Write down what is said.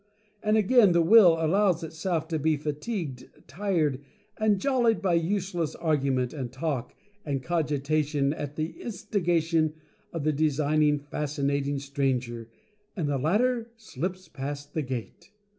And again, the Will allows itself to be fatigued, tired, and jollied by useless argument, and talk, and cogitation, at the instigation of the Designing Fascinating Stranger, and the latter slips past the Gate.